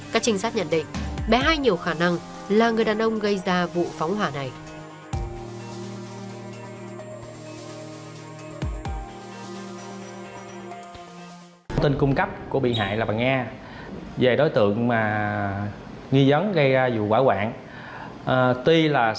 các trinh sát nhận định bé hai nhiều khả năng là người đàn ông gây ra vụ phóng hỏa này